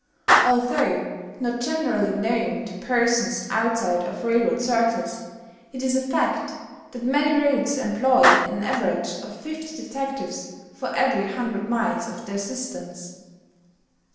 Although not generally known to persons outside of railroad circles, it is a fact that many roads employ an average of fifty detectives for every hundred miles of their systems.